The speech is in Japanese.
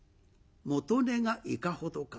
元値がいかほどか。